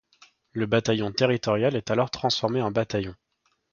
Le bataillon territorial est alors transformé en bataillon.